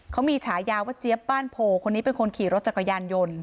เขามีฉายาว่าเจี๊ยบบ้านโพคนนี้เป็นคนขี่รถจักรยานยนต์